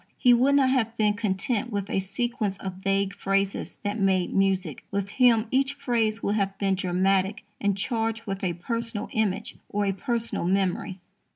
He would not have been content with a sequence of vague phrases that made music. With him each phrase would have been dramatic and charged with a personal image or a personal memory.